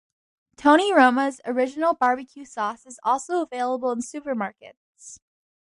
Tony Roma's original barbecue sauce is also available in supermarkets.